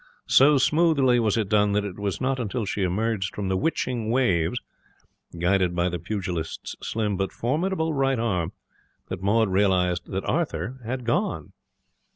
So smoothly was it done that it was not until she emerged from the Witching Waves, guided by the pugilist's slim but formidable right arm, that Maud realized that Arthur had gone.